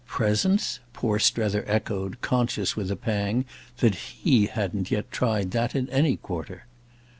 "Presents?" poor Strether echoed, conscious with a pang that he hadn't yet tried that in any quarter.